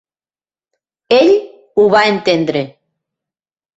Ell ho va entendre.